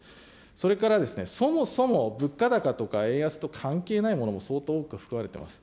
それからそもそも物価高とか円安と関係ないものも相当多く含まれています。